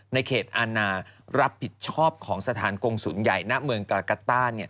ในเขตอนาคตรับผิดชอบของสถานกรงศูนย์ใหญ่หน้าเมืองกรกฎา